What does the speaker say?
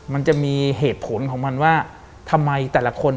มันจะมีเหตุผลของมันว่าทำไมแต่ละคน